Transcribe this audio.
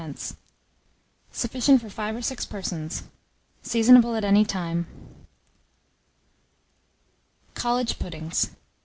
Sufficient for 5 or 6 persons. Seasonable at any time. COLLEGE PUDDINGS.